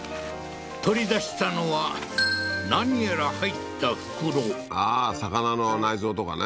取り出したのは何やら入った袋ああー魚の内臓とかね